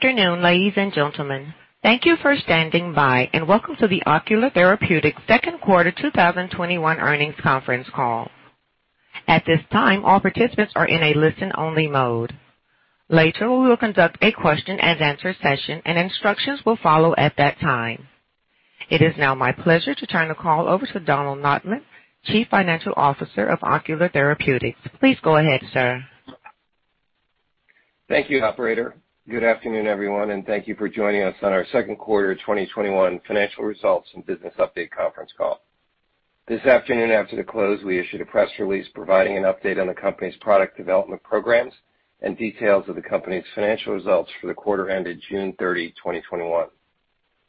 Good afternoon, ladies and gentlemen. Thank you for standing by, and Welcome to the Ocular Therapeutix Second Quarter 2021 Earnings Conference Call. At this time, all participants are in a listen-only mode. Later, we will conduct a question and answer session, and instructions will follow at that time. It is now my pleasure to turn the call over to Donald Notman, Chief Financial Officer of Ocular Therapeutix. Please go ahead, sir. Thank you, operator. Good afternoon, everyone, and thank you for joining us on our second quarter 2021 financial results and business update conference call. This afternoon after the close, we issued a press release providing an update on the company's product development programs and details of the company's financial results for the quarter ended June 30, 2021.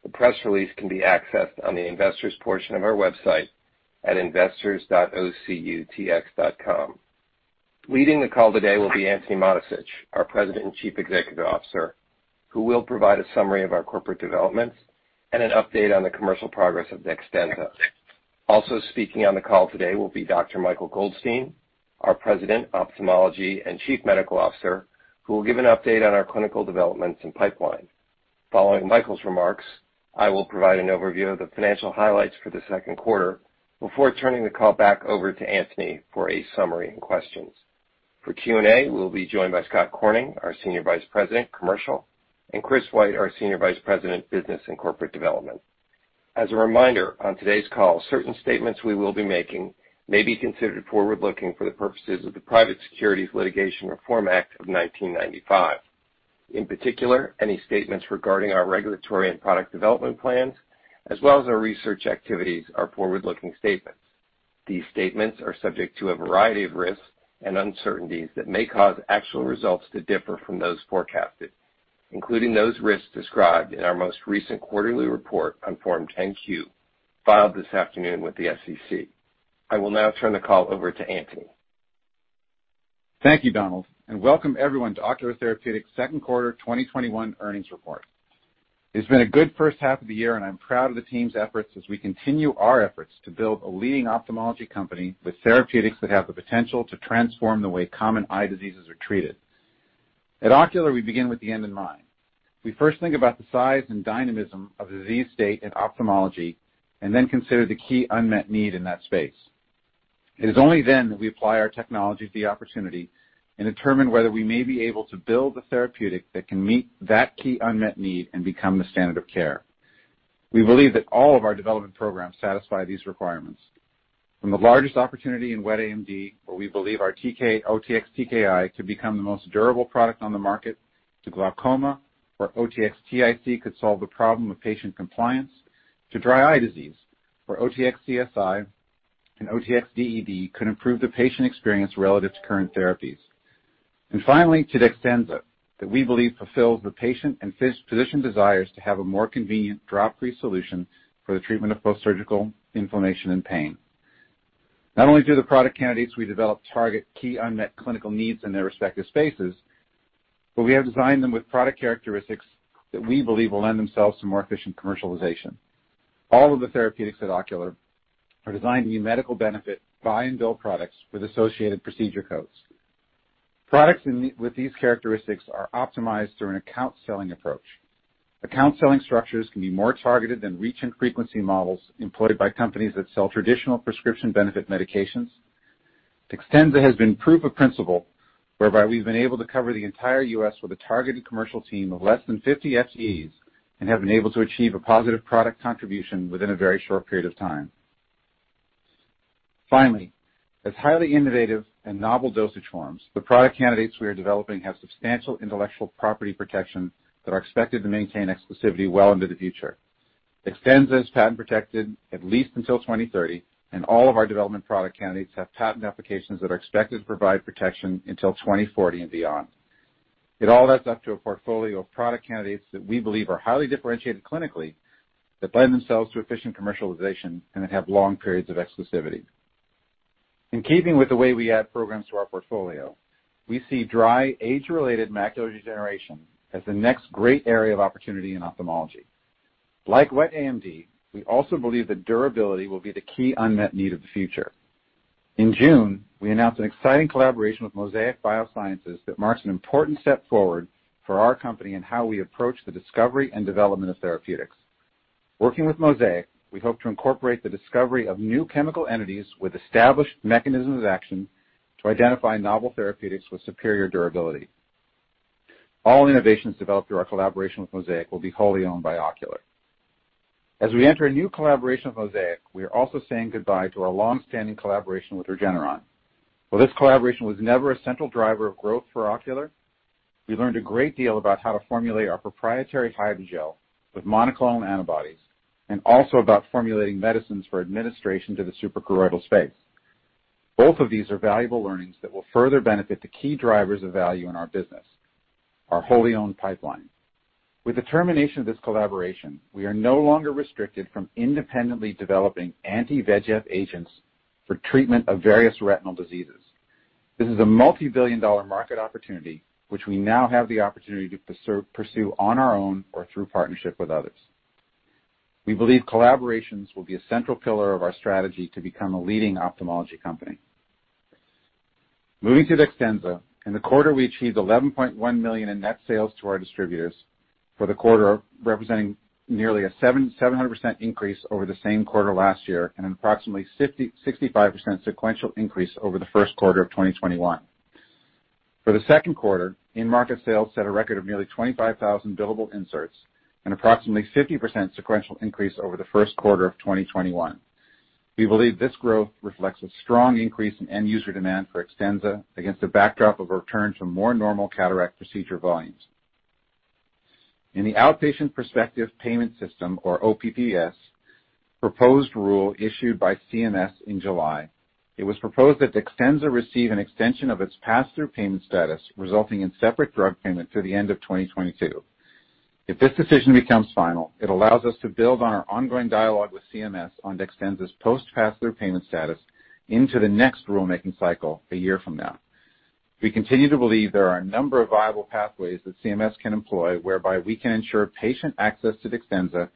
The press release can be accessed on the investors' portion of our website at investors.ocutx.com. Leading the call today will be Antony Mattessich, our President and Chief Executive Officer, who will provide a summary of our corporate developments and an update on the commercial progress of DEXTENZA. Also speaking on the call today will be Dr. Michael Goldstein, our President, Ophthalmology and Chief Medical Officer, who will give an update on our clinical developments and pipeline. Following Michael's remarks, I will provide an overview of the financial highlights for the second quarter before turning the call back over to Antony for a summary and questions. For Q&A, we'll be joined by Scott Corning, our Senior Vice President, Commercial, and Chris White, our Senior Vice President, Business and Corporate Development. As a reminder, on today's call, certain statements we will be making may be considered forward-looking for the purposes of the Private Securities Litigation Reform Act of 1995. In particular, any statements regarding our regulatory and product development plans, as well as our research activities, are forward-looking statements. These statements are subject to a variety of risks and uncertainties that may cause actual results to differ from those forecasted, including those risks described in our most recent quarterly report on Form 10-Q filed this afternoon with the SEC. I will now turn the call over to Antony. Thank you, Donald, and welcome everyone to Ocular Therapeutix second quarter 2021 earnings report. It's been a good first half of the year, and I'm proud of the team's efforts as we continue our efforts to build a leading ophthalmology company with therapeutics that have the potential to transform the way common eye diseases are treated. At Ocular, we begin with the end in mind. We first think about the size and dynamism of the disease state in ophthalmology and then consider the key unmet need in that space. It is only then that we apply our technology to the opportunity and determine whether we may be able to build a therapeutic that can meet that key unmet need and become the standard of care. We believe that all of our development programs satisfy these requirements. From the largest opportunity in wet AMD, where we believe our OTX-TKI could become the most durable product on the market, to glaucoma, where OTX-TIC could solve the problem of patient compliance, to dry eye disease, where OTX-CSI and OTX-DED could improve the patient experience relative to current therapies. Finally, to DEXTENZA, that we believe fulfills the patient and physician desires to have a more convenient drop-free solution for the treatment of postsurgical inflammation and pain. Not only do the product candidates we develop target key unmet clinical needs in their respective spaces, but we have designed them with product characteristics that we believe will lend themselves to more efficient commercialization. All of the therapeutics at Ocular are designed to be medical benefit, buy-and-bill products with associated procedure codes. Products with these characteristics are optimized through an account-selling approach. Account-selling structures can be more targeted than reach and frequency models employed by companies that sell traditional prescription benefit medications. DEXTENZA has been proof of principle whereby we've been able to cover the entire U.S. with a targeted commercial team of less than 50 SEs and have been able to achieve a positive product contribution within a very short period of time. Finally, as highly innovative and novel dosage forms, the product candidates we are developing have substantial intellectual property protection that are expected to maintain exclusivity well into the future. DEXTENZA is patent protected at least until 2030, and all of our development product candidates have patent applications that are expected to provide protection until 2040 and beyond. It all adds up to a portfolio of product candidates that we believe are highly differentiated clinically, that lend themselves to efficient commercialization, and that have long periods of exclusivity. In keeping with the way we add programs to our portfolio, we see dry age-related macular degeneration as the next great area of opportunity in ophthalmology. Like wet AMD, we also believe that durability will be the key unmet need of the future. In June, we announced an exciting collaboration with Mosaic Biosciences that marks an important step forward for our company in how we approach the discovery and development of therapeutics. Working with Mosaic, we hope to incorporate the discovery of new chemical entities with established mechanisms action to identify novel therapeutics with superior durability. All innovations developed through our collaboration with Mosaic will be wholly owned by Ocular. As we enter a new collaboration with Mosaic, we are also saying goodbye to our longstanding collaboration with Regeneron. While this collaboration was never a central driver of growth for Ocular, we learned a great deal about how to formulate our proprietary hydrogel with monoclonal antibodies, and also about formulating medicines for administration to the suprachoroidal space. Both of these are valuable learnings that will further benefit the key drivers of value in our business, our wholly owned pipeline. With the termination of this collaboration, we are no longer restricted from independently developing anti-VEGF agents for treatment of various retinal diseases. This is a multi-billion dollar market opportunity, which we now have the opportunity to pursue on our own or through partnership with others. We believe collaborations will be a central pillar of our strategy to become a leading ophthalmology company. Moving to DEXTENZA. In the quarter, we achieved $11.1 million in net sales to our distributors for the quarter, representing nearly a 700% increase over the same quarter last year and an approximately 65% sequential increase over the first quarter of 2021. For the second quarter, in-market sales set a record of nearly 25,000 billable inserts and approximately 50% sequential increase over the first quarter of 2021. We believe this growth reflects a strong increase in end user demand for DEXTENZA against a backdrop of a return to more normal cataract procedure volumes. In the outpatient prospective payment system, or OPPS, proposed rule issued by CMS in July, it was proposed that DEXTENZA receive an extension of its pass-through payment status, resulting in separate drug payment through the end of 2022. If this decision becomes final, it allows us to build on our ongoing dialogue with CMS on DEXTENZA's post pass-through payment status into the next rulemaking cycle a year from now. We continue to believe there are a number of viable pathways that CMS can employ whereby we can ensure patient access to DEXTENZA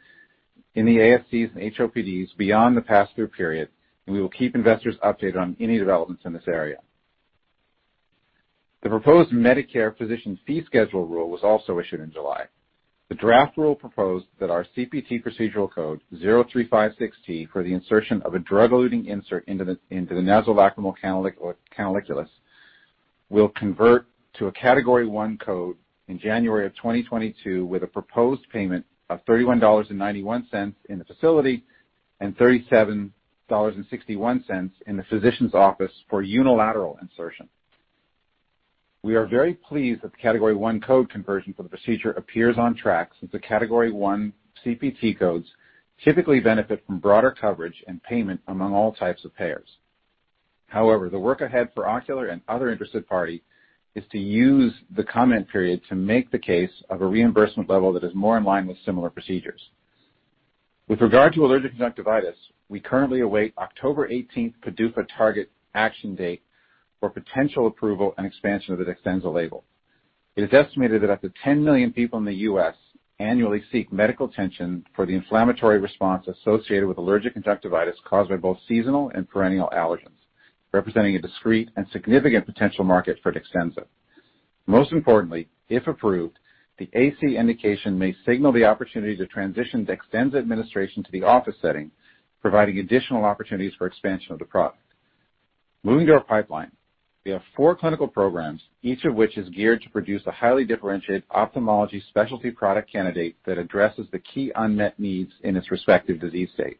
in the ASCs and HOPDs beyond the pass-through period. We will keep investors updated on any developments in this area. The proposed Medicare physician fee schedule rule was also issued in July. The draft rule proposed that our CPT procedural code 0356T for the insertion of a drug-eluting insert into the nasolacrimal canaliculus will convert to a Category I code in January of 2022 with a proposed payment of $31.91 in the facility and $37.61 in the physician's office for unilateral insertion. We are very pleased that the Category I code conversion for the procedure appears on track since the Category I CPT codes typically benefit from broader coverage and payment among all types of payers. However, the work ahead for Ocular and other interested party is to use the comment period to make the case of a reimbursement level that is more in line with similar procedures. With regard to allergic conjunctivitis, we currently await October 18th PDUFA target action date for potential approval and expansion of the DEXTENZA label. It is estimated that up to 10 million people in the U.S. annually seek medical attention for the inflammatory response associated with allergic conjunctivitis caused by both seasonal and perennial allergens, representing a discrete and significant potential market for DEXTENZA. Most importantly, if approved, the AC indication may signal the opportunity to transition DEXTENZA administration to the office setting, providing additional opportunities for expansion of the product. Moving to our pipeline. We have four clinical programs, each of which is geared to produce a highly differentiated ophthalmology specialty product candidate that addresses the key unmet needs in its respective disease state.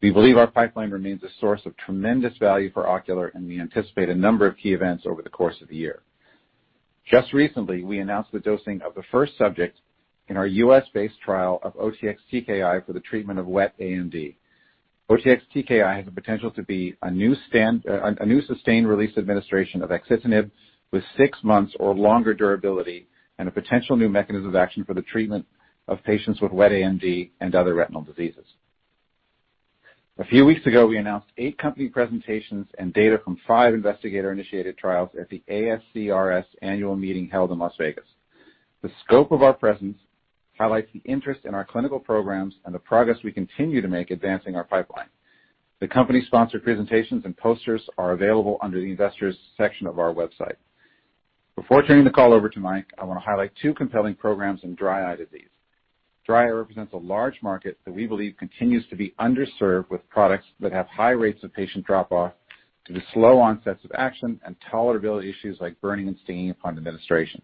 We believe our pipeline remains a source of tremendous value for Ocular, and we anticipate a number of key events over the course of the year. Just recently, we announced the dosing of the first subject in our U.S.-based trial of OTX-TKI for the treatment of wet AMD. OTX-TKI has the potential to be a new sustained release administration of axitinib with six months or longer durability and a potential new mechanism of action for the treatment of patients with wet AMD and other retinal diseases. A few weeks ago, we announced eight company presentations and data from five investigator-initiated trials at the ASCRS annual meeting held in Las Vegas. The scope of our presence highlights the interest in our clinical programs and the progress we continue to make advancing our pipeline. The company sponsored presentations and posters are available under the investors section of our website. Before turning the call over to Mike, I want to highlight two compelling programs in dry eye disease. Dry eye represents a large market that we believe continues to be underserved with products that have high rates of patient drop-off due to slow onsets of action and tolerability issues like burning and stinging upon administration.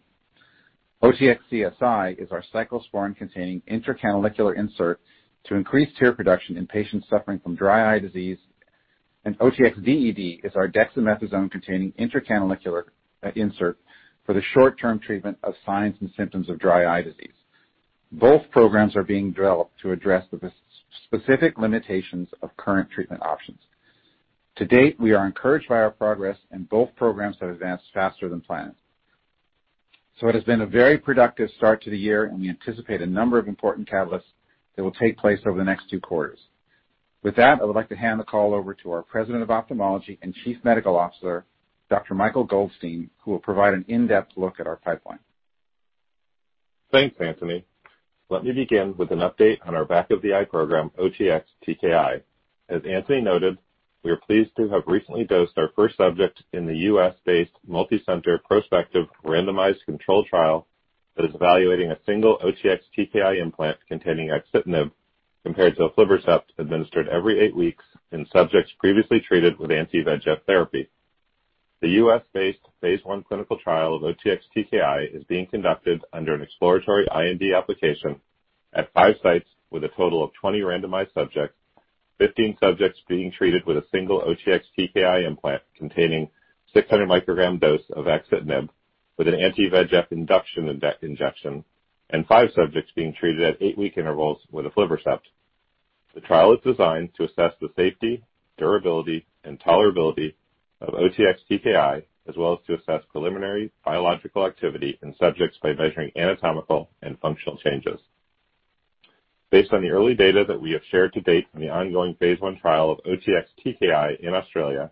OTX-CSI is our cyclosporine-containing intracanalicular insert to increase tear production in patients suffering from dry eye disease, and OTX-DED is our dexamethasone-containing intracanalicular insert for the short-term treatment of signs and symptoms of dry eye disease. Both programs are being developed to address the specific limitations of current treatment options. To date, we are encouraged by our progress in both programs that have advanced faster than planned. It has been a very productive start to the year, and we anticipate a number of important catalysts that will take place over the next two quarters. With that, I would like to hand the call over to our President of Ophthalmology and Chief Medical Officer, Dr. Michael Goldstein, who will provide an in-depth look at our pipeline. Thanks, Antony. Let me begin with an update on our back of the eye program, OTX-TKI. As Antony noted, we are pleased to have recently dosed our first subject in the U.S. based, multicenter, prospective, randomized control trial that is evaluating a single OTX-TKI implant containing axitinib compared to aflibercept administered every eight weeks in subjects previously treated with anti-VEGF therapy. The U.S. based phase I clinical trial of OTX-TKI is being conducted under an exploratory IND application at five sites with a total of 20 randomized subjects, 15 subjects being treated with a single OTX-TKI implant containing 600 microgram dose of axitinib with an anti-VEGF induction injection, and five subjects being treated at eight week intervals with aflibercept. The trial is designed to assess the safety, durability, and tolerability of OTX-TKI, as well as to assess preliminary biological activity in subjects by measuring anatomical and functional changes. On the early data that we have shared to date from the ongoing phase I trial of OTX-TKI in Australia,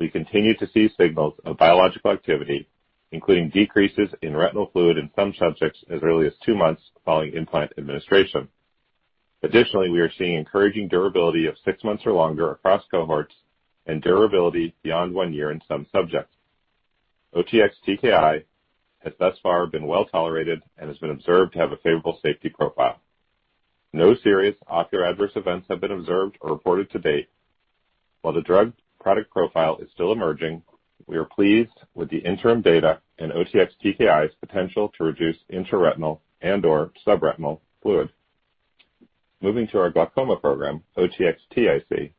we continue to see signals of biological activity, including decreases in retinal fluid in some subjects as early as two months following implant administration. Additionally, we are seeing encouraging durability of six months or longer across cohorts and durability beyond one year in some subjects. OTX-TKI has thus far been well-tolerated and has been observed to have a favorable safety profile. No serious ocular adverse events have been observed or reported to date. While the drug product profile is still emerging, we are pleased with the interim data and OTX-TKI's potential to reduce intraretinal and/or subretinal fluid. Moving to our glaucoma program, OTX-TIC.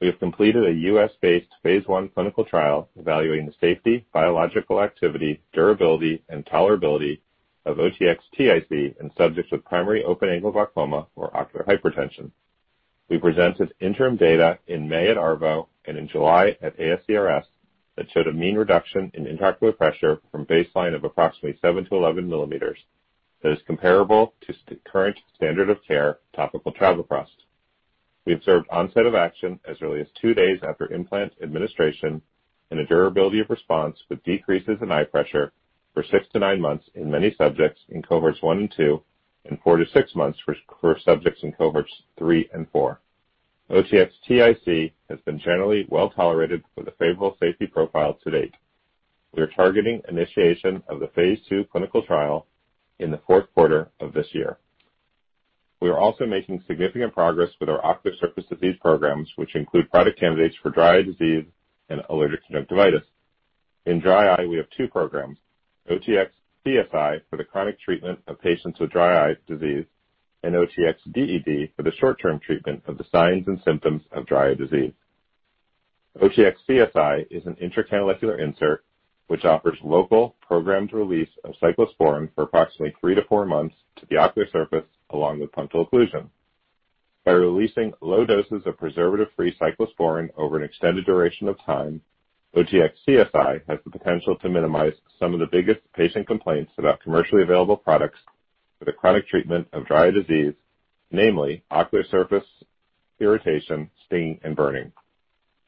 We have completed a U.S.-based phase I clinical trial evaluating the safety, biological activity, durability, and tolerability of OTX-TIC in subjects with primary open-angle glaucoma or ocular hypertension. We presented interim data in May at ARVO and in July at ASCRS that showed a mean reduction in intraocular pressure from baseline of approximately 7 to 11 millimeters that is comparable to current standard of care topical latanoprost. We observed onset of action as early as two days after implant administration and a durability of response with decreases in eye pressure for six to nine months in many subjects in cohorts one and two, and four to six months for subjects in cohorts three and four. OTX-TIC has been generally well-tolerated with a favorable safety profile to date. We are targeting initiation of the phase II clinical trial in the fourth quarter of this year. We are also making significant progress with our ocular surface disease programs, which include product candidates for dry disease and allergic conjunctivitis. In dry eye, we have two programs, OTX-CSI for the chronic treatment of patients with dry eye disease and OTX-DED for the short-term treatment of the signs and symptoms of dry disease. OTX-CSI is an intracanalicular insert which offers local programmed release of cyclosporine for approximately three months to four months to the ocular surface along with punctal occlusion. By releasing low doses of preservative-free cyclosporine over an extended duration of time, OTX-CSI has the potential to minimize some of the biggest patient complaints about commercially available products for the chronic treatment of dry disease, namely ocular surface irritation, sting, and burning.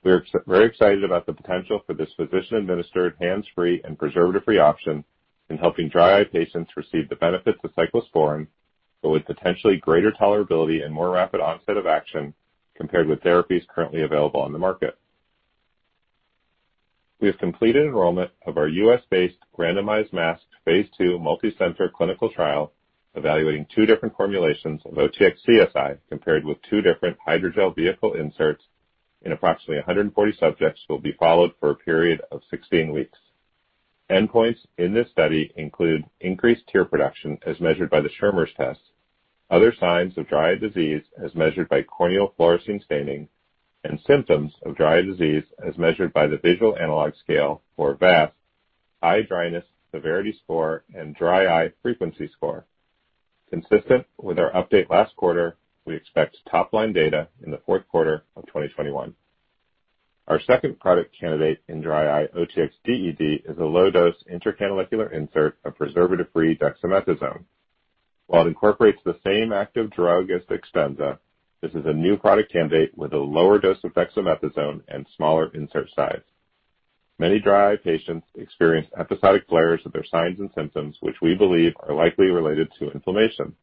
We are very excited about the potential for this physician-administered, hands-free, and preservative-free option in helping dry eye patients receive the benefits of cyclosporine, but with potentially greater tolerability and more rapid onset of action compared with therapies currently available on the market. We have completed enrollment of our U.S. based randomized masked phase II multi-center clinical trial evaluating two different formulations of OTX-CSI compared with two different hydrogel vehicle inserts in approximately 140 subjects who will be followed for a period of 16 weeks. Endpoints in this study include increased tear production as measured by the Schirmer's test, other signs of dry disease as measured by corneal fluorescein staining, and symptoms of dry disease as measured by the Visual Analog Scale, or VAS, eye dryness severity score, and dry eye frequency score. Consistent with our update last quarter, we expect top-line data in the fourth quarter of 2021. Our second product candidate in dry eye, OTX-DED, is a low-dose intracanalicular insert of preservative-free dexamethasone. While it incorporates the same active drug as DEXTENZA, this is a new product candidate with a lower dose of dexamethasone and smaller insert size. Many dry eye patients experience episodic flares of their signs and symptoms, which we believe are likely related to inflammation.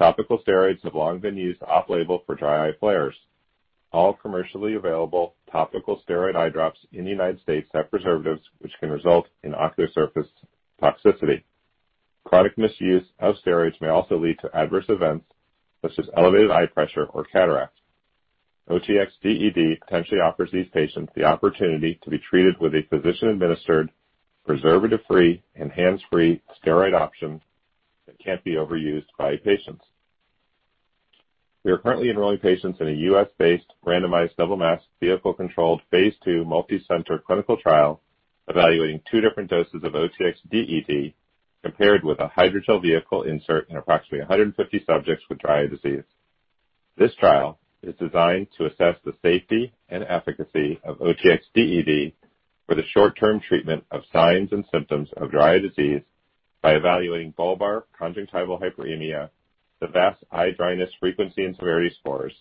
Topical steroids have long been used off-label for dry eye flares. All commercially available topical steroid eye drops in the U.S. have preservatives which can result in ocular surface toxicity. Chronic misuse of steroids may also lead to adverse events such as elevated eye pressure or cataracts. OTX-DED potentially offers these patients the opportunity to be treated with a physician-administered, preservative-free, and hands-free steroid option that can't be overused by patients. We are currently enrolling patients in a U.S.based randomized, double-masked, vehicle-controlled, phase II multi-center clinical trial evaluating two different doses of OTX-DED compared with a hydrogel vehicle insert in approximately 150 subjects with dry eye disease. This trial is designed to assess the safety and efficacy of OTX-DED for the short-term treatment of signs and symptoms of dry eye disease by evaluating bulbar conjunctival hyperemia, the VAS eye dryness frequency and severity scores,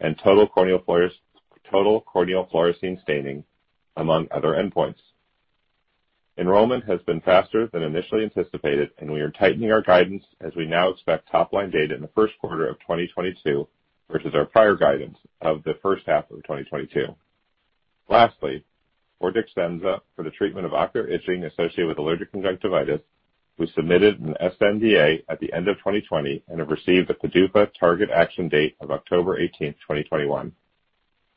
and total corneal fluorescein staining, among other endpoints. Enrollment has been faster than initially anticipated, we are tightening our guidance as we now expect top-line data in the first quarter of 2022 versus our prior guidance of the first half of 2022. Lastly, for DEXTENZA for the treatment of ocular itching associated with allergic conjunctivitis, we submitted an sNDA at the end of 2020 and have received a PDUFA target action date of October 18th, 2021.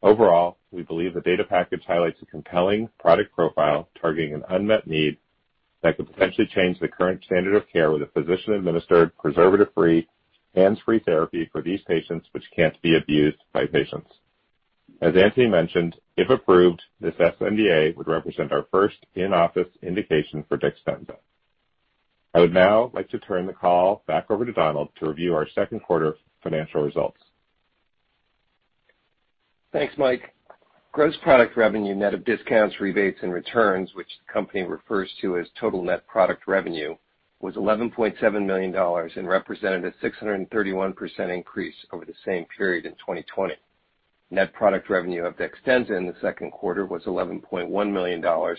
Overall, we believe the data package highlights a compelling product profile targeting an unmet need that could potentially change the current standard of care with a physician-administered, preservative-free, hands-free therapy for these patients which can't be abused by patients. As Antony mentioned, if approved, this sNDA would represent our first in-office indication for DEXTENZA. I would now like to turn the call back over to Donald to review our second quarter financial results. Thanks, Mike. Gross product revenue net of discounts, rebates, and returns, which the company refers to as total net product revenue, was $11.7 million and represented a 631% increase over the same period in 2020. Net product revenue of DEXTENZA in the second quarter was $11.1 million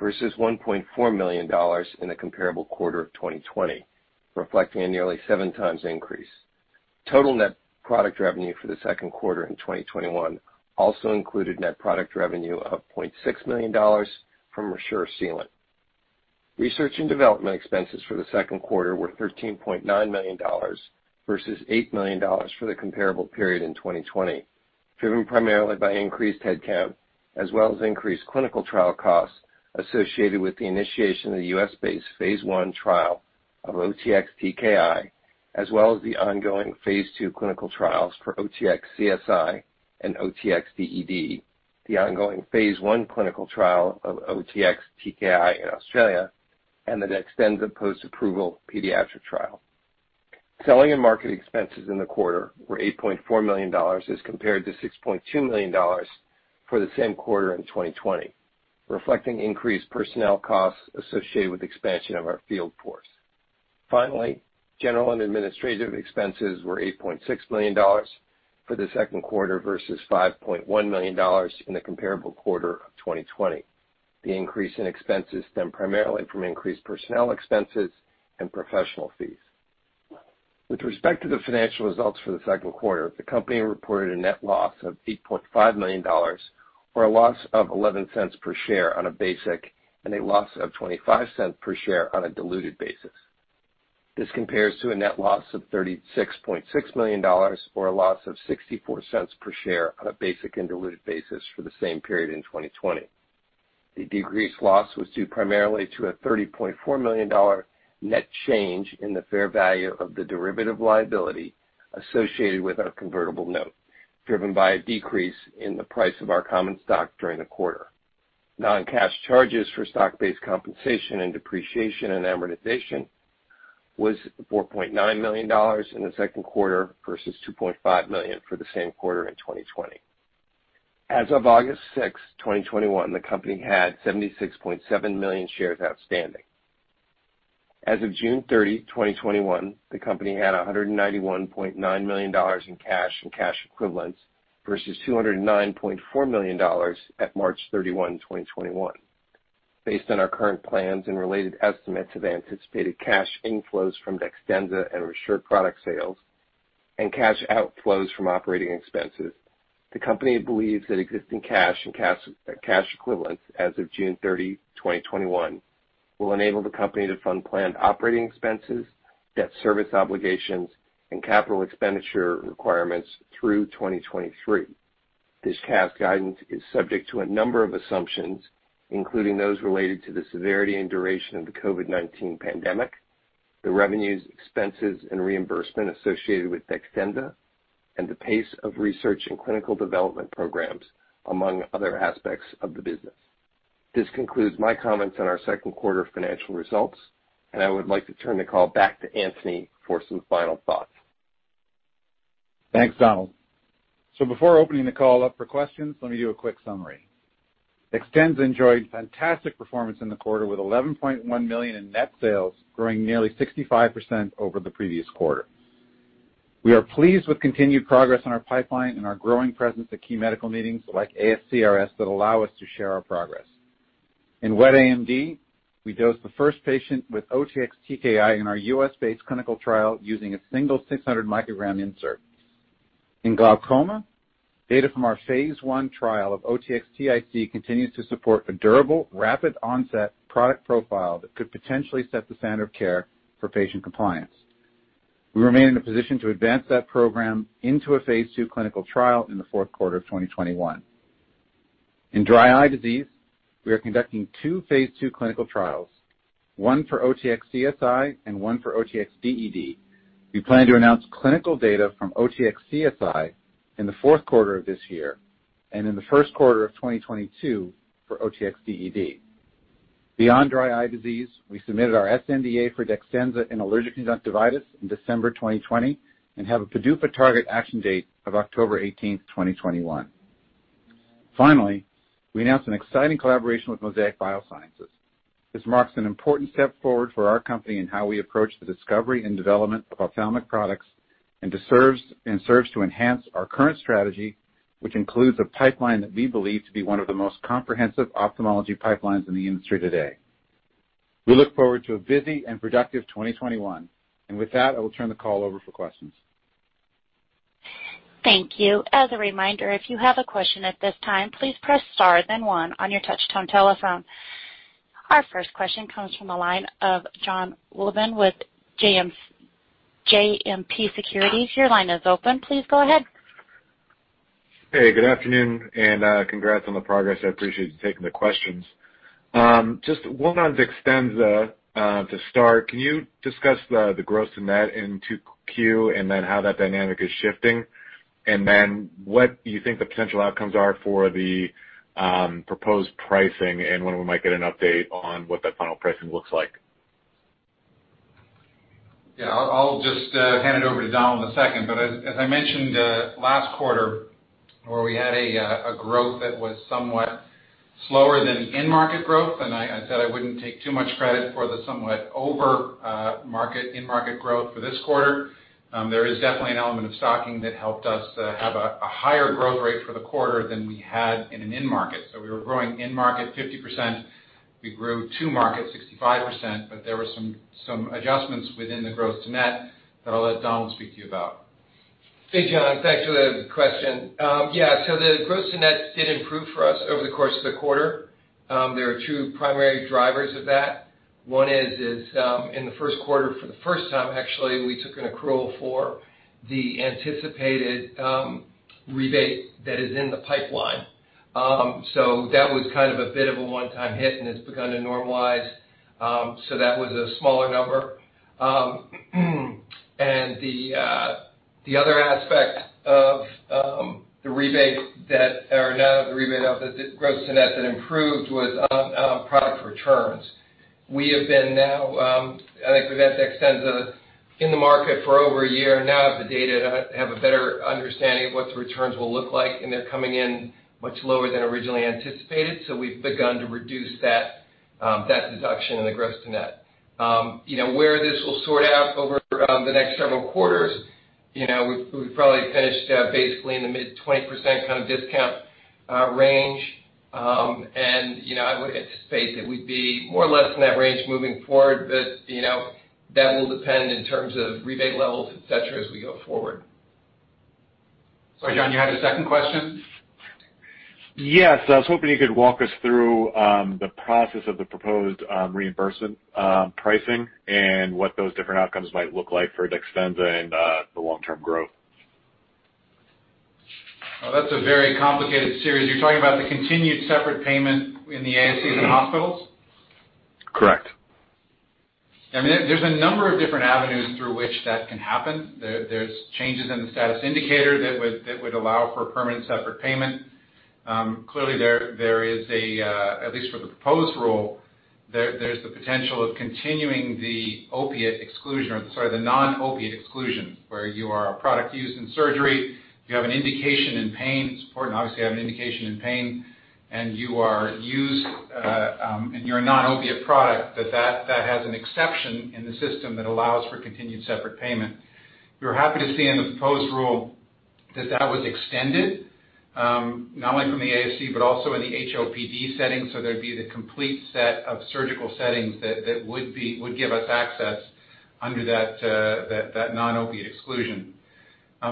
versus $1.4 million in the comparable quarter of 2020, reflecting a nearly 7x increase. Total net product revenue for the second quarter in 2021 also included net product revenue of $0.6 million from ReSure Sealant. Research and development expenses for the second quarter were $13.9 million versus $8 million for the comparable period in 2020, driven primarily by increased headcount as well as increased clinical trial costs associated with the initiation of the U.S. based phase I trial of OTX-TKI, as well as the ongoing phase II clinical trials for OTX-CSI and OTX-DED, the ongoing phase I clinical trial of OTX-TKI in Australia, and the DEXTENZA post-approval pediatric trial. Selling and marketing expenses in the quarter were $8.4 million as compared to $6.2 million for the same quarter in 2020, reflecting increased personnel costs associated with expansion of our field force. Finally, general and administrative expenses were $8.6 million for the second quarter versus $5.1 million in the comparable quarter of 2020. The increase in expenses stemmed primarily from increased personnel expenses and professional fees. With respect to the financial results for the second quarter, the company reported a net loss of $8.5 million, or a loss of $0.11 per share on a basic, and a loss of $0.25 per share on a diluted basis. This compares to a net loss of $36.6 million, or a loss of $0.64 per share on a basic and diluted basis for the same period in 2020. The decreased loss was due primarily to a $30.4 million net change in the fair value of the derivative liability associated with our convertible note, driven by a decrease in the price of our common stock during the quarter. Non-cash charges for stock-based compensation and depreciation and amortization was $4.9 million in the second quarter versus $2.5 million for the same quarter in 2020. As of August 6th, 2021, the company had $76.7 million shares outstanding. As of June 30, 2021, the company had $191.9 million in cash and cash equivalents versus $209.4 million at March 31, 2021. Based on our current plans and related estimates of anticipated cash inflows from DEXTENZA and ReSure product sales and cash outflows from operating expenses, the company believes that existing cash and cash equivalents as of June 30, 2021 will enable the company to fund planned operating expenses, debt service obligations, and capital expenditure requirements through 2023. This cash guidance is subject to a number of assumptions, including those related to the severity and duration of the COVID-19 pandemic, the revenues, expenses, and reimbursement associated with DEXTENZA, and the pace of research and clinical development programs, among other aspects of the business. This concludes my comments on our second quarter financial results, and I would like to turn the call back to Antony for some final thoughts. Thanks, Donald. Before opening the call up for questions, let me do a quick summary. DEXTENZA enjoyed fantastic performance in the quarter, with $11.1 million in net sales, growing nearly 65% over the previous quarter. We are pleased with continued progress on our pipeline and our growing presence at key medical meetings like ASCRS that allow us to share our progress. In wet AMD, we dosed the first patient with OTX-TKI in our U.S. based clinical trial using a single 600 microgram insert. In glaucoma, data from our Phase I trial of OTX-TIC continues to support a durable, rapid onset product profile that could potentially set the standard of care for patient compliance. We remain in a position to advance that program into a Phase II clinical trial in the fourth quarter of 2021. In dry eye disease, we are conducting two Phase II clinical trials, one for OTX-CSI and one for OTX-DED. We plan to announce clinical data from OTX-CSI in the fourth quarter of this year and in the first quarter of 2022 for OTX-DED. Beyond dry eye disease, we submitted our sNDA for DEXTENZA in allergic conjunctivitis in December 2020 and have a PDUFA target action date of October 18th, 2021. Finally, we announced an exciting collaboration with Mosaic Biosciences. This marks an important step forward for our company in how we approach the discovery and development of ophthalmic products and serves to enhance our current strategy, which includes a pipeline that we believe to be one of the most comprehensive ophthalmology pipelines in the industry today. We look forward to a busy and productive 2021. With that, I will turn the call over for questions. Thank you. As a reminder, if you have a question at this time, please press star then one on your touchtone telephone. Our first question comes from the line of Jon Wolleben with JMP Securities. Your line is open. Please go ahead. Hey, good afternoon. Congrats on the progress. I appreciate you taking the questions. Just one on DEXTENZA to start. Can you discuss the gross and net in 2Q and then how that dynamic is shifting? Then what do you think the potential outcomes are for the proposed pricing and when we might get an update on what that final pricing looks like? Yeah. I'll just hand it over to Donald in a second. As I mentioned last quarter where we had a growth that was somewhat slower than in-market growth, and I said I wouldn't take too much credit for the somewhat over in-market growth for this quarter. There is definitely an element of stocking that helped us to have a higher growth rate for the quarter than we had in-market. We were growing in-market 50%, we grew to market 65%, but there were some adjustments within the growth to net that I'll let Donald speak to you about. Hey, Jon. Thanks for the question. The growth to net did improve for us over the course of the quarter. There are two primary drivers of that. One is, in the first quarter, for the first time actually, we took an accrual for the anticipated rebate that is in the pipeline. That was a bit of a one time hit, and it's begun to normalize. That was a smaller number. The other aspect of the gross to net that improved was on product returns. We have been now, I think with DEXTENZA in the market for over a year now, have the data to have a better understanding of what the returns will look like, and they're coming in much lower than originally anticipated. We've begun to reduce that deduction in the gross to net. Where this will sort out over the next several quarters, we've probably finished basically in the mid 20% kind of discount range. I would anticipate that we'd be more or less in that range moving forward, but that will depend in terms of rebate levels, et cetera, as we go forward. Sorry, Jon, you had a second question? Yes. I was hoping you could walk us through the process of the proposed reimbursement pricing and what those different outcomes might look like for DEXTENZA and the long-term growth. Well, that's a very complicated series. You're talking about the continued separate payment in the ASCs and hospitals? Correct. There's a number of different avenues through which that can happen. There's changes in the status indicator that would allow for permanent separate payment. Clearly, there is a, at least for the proposed rule, there's the potential of continuing the non-opiate exclusion, where you are a product used in surgery, you have an indication in pain support, and obviously have an indication in pain, and you are a non-opiate product that has an exception in the system that allows for continued separate payment. We were happy to see in the proposed rule that that was extended, not only from the ASC, but also in the HOPD setting. There'd be the complete set of surgical settings that would give us access under that non-opiate exclusion.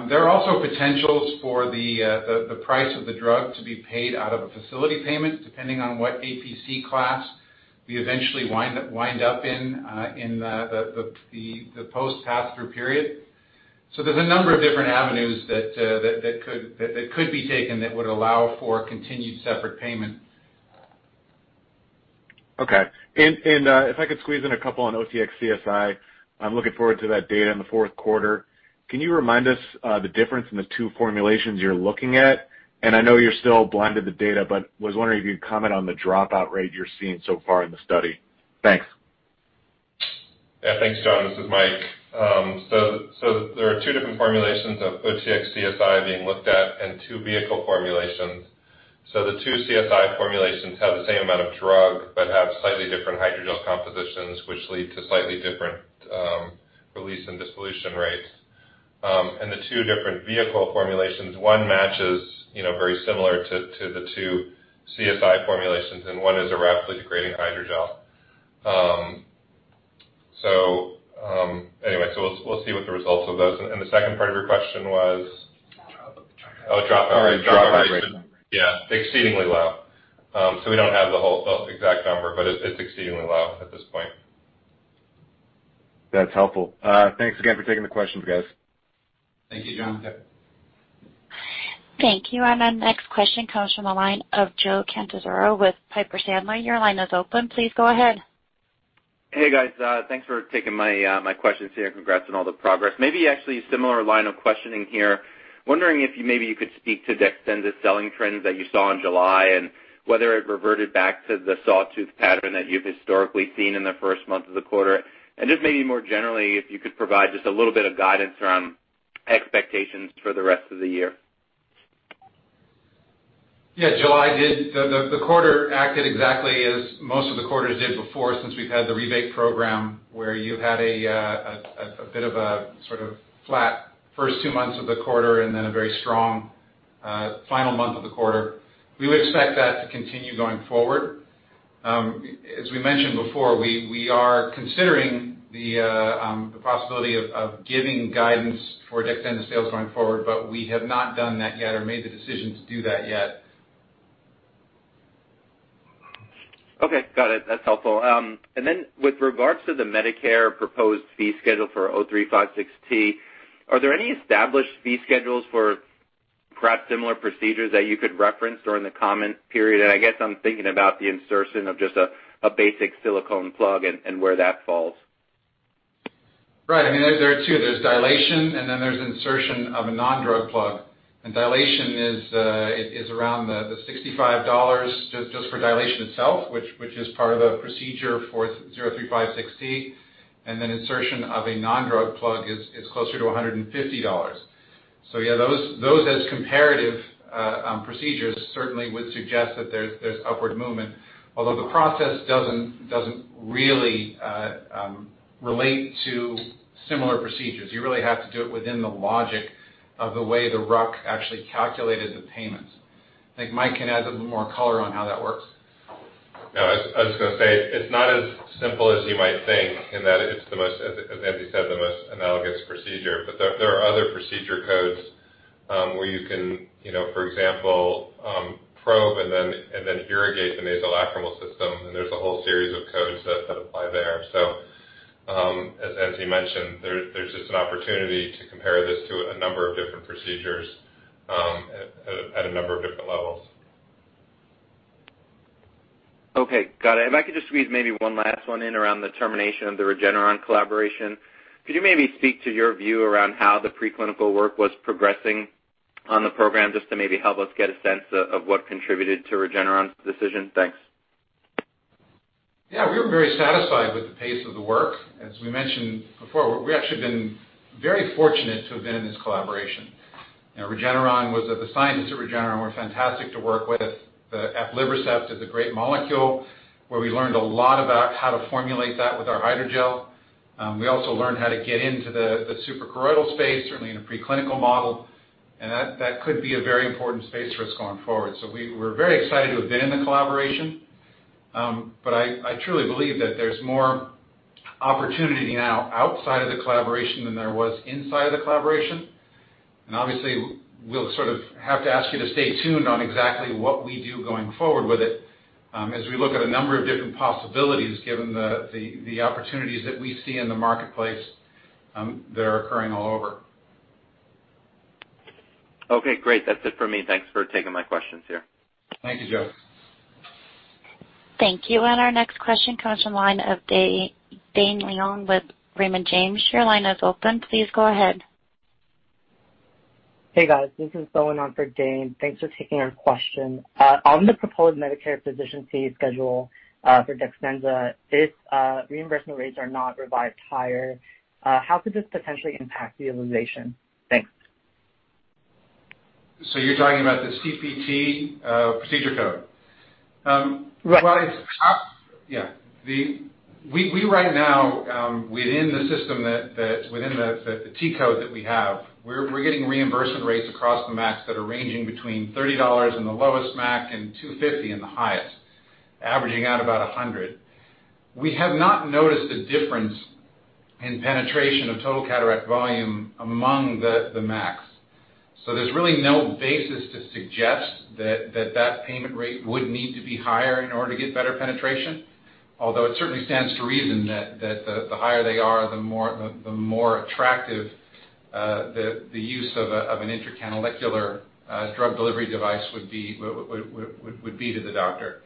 There are also potentials for the price of the drug to be paid out of a facility payment, depending on what APC class we eventually wind up in the post-passthrough period. There's a number of different avenues that could be taken that would allow for continued separate payment. Okay. If I could squeeze in a couple on OTX-CSI, I'm looking forward to that data in the fourth quarter. Can you remind us the difference in the two formulations you're looking at? I know you're still blind to the data, but was wondering if you could comment on the dropout rate you're seeing so far in the study. Thanks. Yeah, thanks, Jon. This is Mike. There are two different formulations of OTX-CSI being looked at and two vehicle formulations. The 2 OTX-CSI formulations have the same amount of drug but have slightly different hydrogel compositions, which lead to slightly different release and dissolution rates. The two different vehicle formulations, one matches very similar to the two OTX-CSI formulations, and one is a rapidly degrading hydrogel. Anyway, we'll see what the results of those are. The second part of your question was? Dropouts. Oh, dropouts. Sorry, dropout rate. Yeah, exceedingly low. We don't have the whole exact number, but it's exceedingly low at this point. That's helpful. Thanks again for taking the questions, guys. Thank you, Jon. Thank you. Our next question comes from the line of Joe Catanzaro with Piper Sandler. Your line is open. Please go ahead. Hey, guys. Thanks for taking my questions here, and congrats on all the progress. Maybe actually a similar line of questioning here. Wondering if maybe you could speak to DEXTENZA's selling trends that you saw in July and whether it reverted back to the sawtooth pattern that you've historically seen in the first month of the quarter. Just maybe more generally, if you could provide just a little bit of guidance around expectations for the rest of the year. Yeah, Joe, the quarter acted exactly as most of the quarters did before, since we've had the rebate program, where you've had a bit of a sort of flat first two months of the quarter and then a very strong final month of the quarter. We would expect that to continue going forward. As we mentioned before, we are considering the possibility of giving guidance for DEXTENZA sales going forward, we have not done that yet or made the decision to do that yet. Okay, got it. That's helpful. With regards to the Medicare proposed fee schedule for 0356T, are there any established fee schedules for perhaps similar procedures that you could reference during the comment period? And I guess I'm thinking about the insertion of just a basic silicone plug and where that falls. Right. There are two. There's dilation, and then there's insertion of a non-drug plug. Dilation is around the $65 just for dilation itself, which is part of the procedure for 0356T, then insertion of a non-drug plug is closer to $150. Yeah, those as comparative procedures certainly would suggest that there's upward movement, although the process doesn't really relate to similar procedures. You really have to do it within the logic of the way the RUC actually calculated the payments. I think Mike can add a little more color on how that works. I was going to say, it's not as simple as you might think in that it's, as Antony said, the most analogous procedure. There are other procedure codes where you can, for example, probe and then irrigate the nasolacrimal system, and there's a whole series of codes that apply there. As he mentioned, there's just an opportunity to compare this to a number of different procedures at a number of different levels. Okay, got it. If I could just squeeze maybe one last one in around the termination of the Regeneron collaboration. Could you maybe speak to your view around how the preclinical work was progressing on the program, just to maybe help us get a sense of what contributed to Regeneron's decision? Thanks. Yeah, we were very satisfied with the pace of the work. As we mentioned before, we've actually been very fortunate to have been in this collaboration. The scientists at Regeneron were fantastic to work with. aflibercept is a great molecule where we learned a lot about how to formulate that with our hydrogel. We also learned how to get into the suprachoroidal space, certainly in a preclinical model, and that could be a very important space for us going forward. We're very excited to have been in the collaboration. I truly believe that there's more opportunity now outside of the collaboration than there was inside the collaboration. Obviously, we'll sort of have to ask you to stay tuned on exactly what we do going forward with it as we look at a number of different possibilities given the opportunities that we see in the marketplace that are occurring all over. Okay, great. That's it for me. Thanks for taking my questions here. Thank you, Joe. Thank you. Our next question comes from the line of Dane Leone with Raymond James. Your line is open. Please go ahead. Hey, guys. This is going on for Dane Leone. Thanks for taking our question. On the proposed Medicare physician fee schedule for DEXTENZA, if reimbursement rates are not revised higher, how could this potentially impact utilization? Thanks. You're talking about the CPT procedure code? Right. We right now, within the system, within the T-code that we have, we're getting reimbursement rates across the MACs that are ranging between $30 in the lowest MAC and $250 in the highest, averaging out about $100. We have not notice the difference in the penetration of total cataract volume among the MACs. There's really no basis to suggest that that payment rate would need to be higher in order to get better penetration, although it certainly stands to reason that the higher they are, the more attractive the use of an intracanalicular drug delivery device would be to the doctor.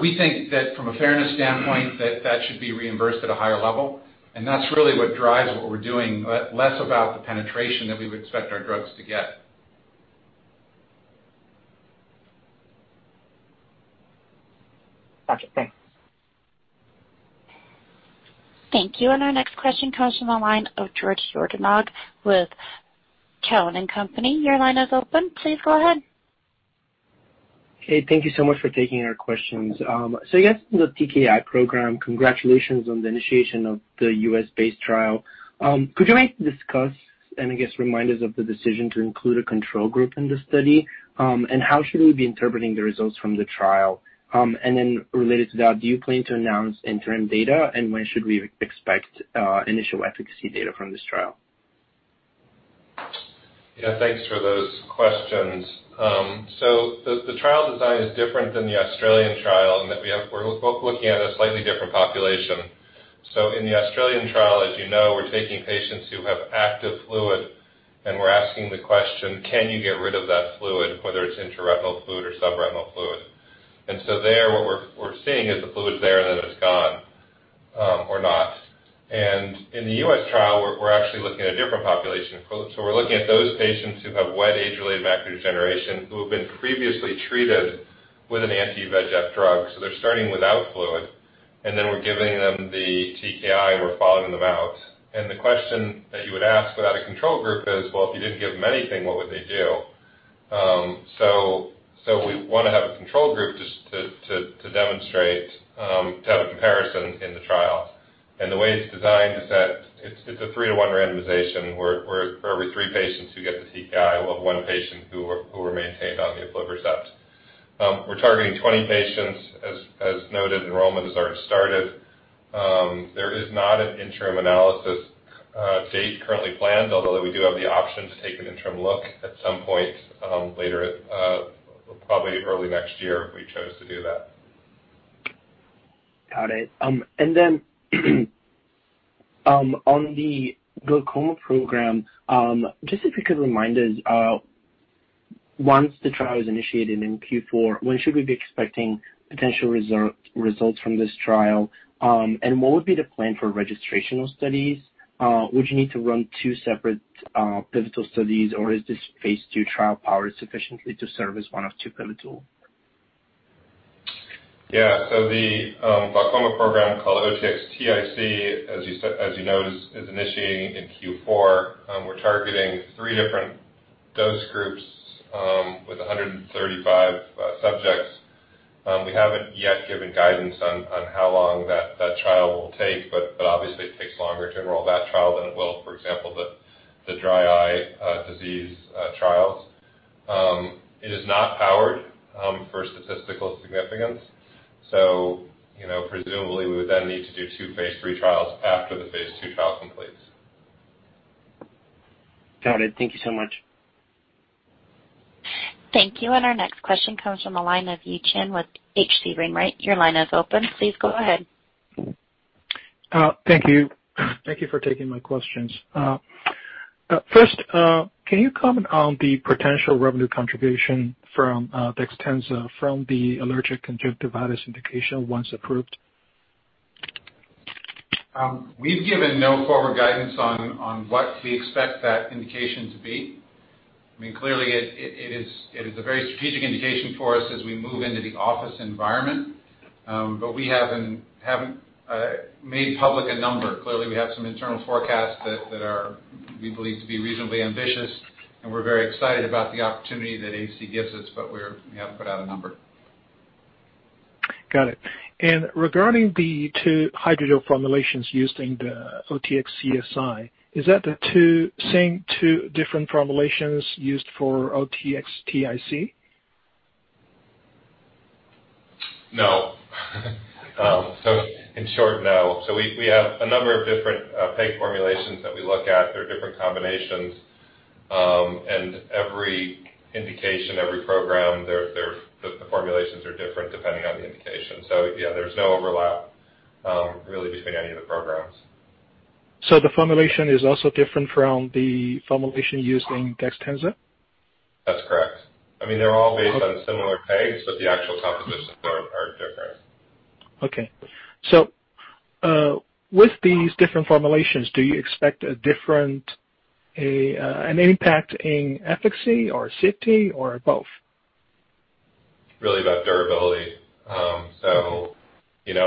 We think that from a fairness standpoint, that that should be reimbursed at a higher level, and that's really what drives what we're doing, less about the penetration that we would expect our drugs to get. Gotcha. Thanks. Thank you. Our next question comes from the line of George [Schorganug] with Cowen and Company. Your line is open. Please go ahead. Hey, thank you so much for taking our questions. I guess the TKI program, congratulations on the initiation of the U.S. based trial. Could you maybe discuss and I guess remind us of the decision to include a control group in the study? How should we be interpreting the results from the trial? Then related to that, do you plan to announce interim data, and when should we expect initial efficacy data from this trial? Yeah, thanks for those questions. The trial design is different than the Australian trial in that we're both looking at a slightly different population. In the Australian trial, as you know, we're taking patients who have active fluid and we're asking the question, can you get rid of that fluid, whether it's intraretinal fluid or subretinal fluid? There what we're seeing is the fluid's there and then it's gone or not. In the U.S. trial, we're actually looking at a different population. We're looking at those patients who have wet age-related macular degeneration who have been previously treated with an anti-VEGF drug. They're starting without fluid, and then we're giving them the TKI and we're following them out. The question that you would ask without a control group is, well, if you didn't give them anything, what would they do? We want to have a control group just to demonstrate, to have a comparison in the trial. The way it's designed is that it's a 3:1 randomization where for every three patients who get the TKI, we'll have one patient who will remain taped on the [aflibercept]. We're targeting 20 patients. As noted, enrollment has already started. There is not an interim analysis date currently planned, although we do have the option to take an interim look at some point later, probably early next year if we chose to do that. Got it. On the glaucoma program, just if you could remind us, once the trial is initiated in Q4, when should we be expecting potential results from this trial? What would be the plan for registrational studies? Would you need to run two separate pivotal studies, or is this phase II trial powered sufficiently to serve as one of two pivotal? Yeah. The glaucoma program called OTX-TIC, as you noticed, is initiating in Q4. We're targeting three different dose groups with 135 subjects. We haven't yet given guidance on how long that trial will take, but obviously it takes longer to enroll that trial than it will, for example, the dry eye disease trials. It is not powered for statistical significance, so presumably we would then need to do two phase III trials after the phase II trial completes. Got it. Thank you so much. Thank you. Our next question comes from the line of Yi Chen with H.C. Wainwright. Your line is open. Please go ahead. Thank you for taking my questions. First, can you comment on the potential revenue contribution from DEXTENZA from the allergic conjunctivitis indication once approved? We've given no forward guidance on what we expect that indication to be. Clearly, it is a very strategic indication for us as we move into the office environment. We haven't made public a number. Clearly, we have some internal forecasts that we believe to be reasonably ambitious, and we're very excited about the opportunity that AC gives us, but we haven't put out a number. Got it. Regarding the two hydrogel formulations used in the OTX-CSI, is that the same two different formulations used for OTX-TIC? No. In short, no. We have a number of different PEG formulations that we look at. There are different combinations. Every indication, every program, the formulations are different depending on the indication. Yeah, there's no overlap really between any of the programs. The formulation is also different from the formulation used in DEXTENZA? That's correct. They're all based on similar PEGs, but the actual compositions are different. Okay. With these different formulations, do you expect a different impact in efficacy or safety or both? Really about durability.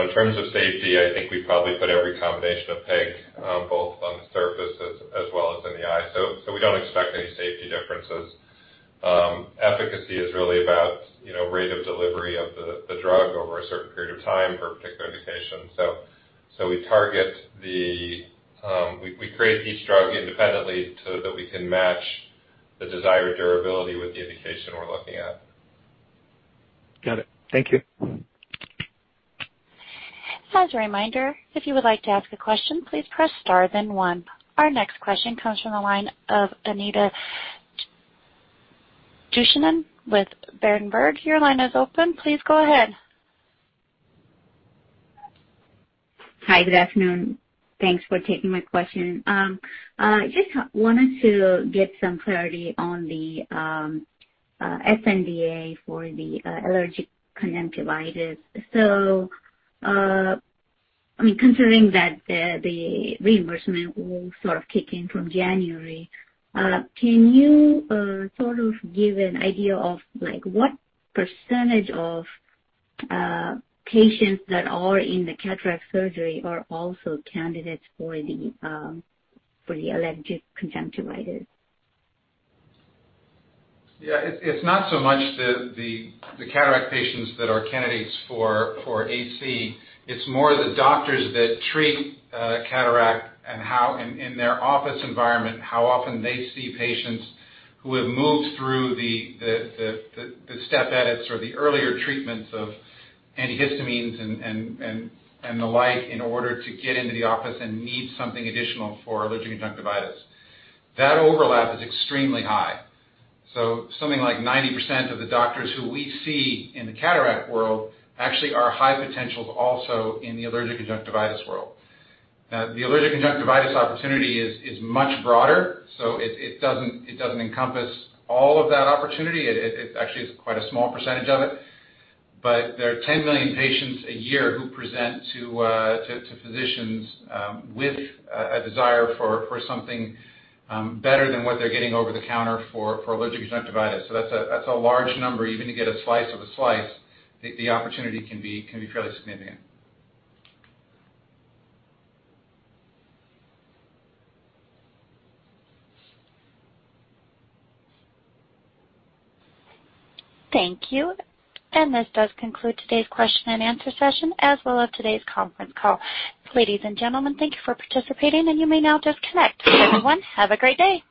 In terms of safety, I think we probably put every combination of PEG, both on the surface as well as in the eye. We don't expect any safety differences. Efficacy is really about rate of delivery of the drug over a certain period of time for a particular indication. We create each drug independently so that we can match the desired durability with the indication we're looking at. Got it. Thank you. Our next question comes from the line of Anita Dushyanth with BERENBERG. Your line is open. Please go ahead. Hi. Good afternoon. Thanks for taking my question. I just wanted to get some clarity on the sNDA for the allergic conjunctivitis. Considering that the reimbursement will sort of kick in from January, can you give an idea of what percentage of patients that are in the cataract surgery are also candidates for the allergic conjunctivitis? Yeah. It's not so much the cataract patients that are candidates for AC. It's more the doctors that treat cataract and how, in their office environment, how often they see patients who have moved through the step edits or the earlier treatments of antihistamines and the like in order to get into the office and need something additional for allergic conjunctivitis. That overlap is extremely high. Something like 90% of the doctors who we see in the cataract world actually are high potentials also in the allergic conjunctivitis world. The allergic conjunctivitis opportunity is much broader, so it doesn't encompass all of that opportunity. It actually is quite a small percentage of it. There are 10 million patients a year who present to physicians with a desire for something better than what they're getting over the counter for allergic conjunctivitis. That's a large number. Even to get a slice of a slice, the opportunity can be fairly significant. Thank you. This does conclude today's question and answer session, as well as today's conference call. Ladies and gentlemen, thank you for participating, and you may now disconnect. Everyone, have a great day.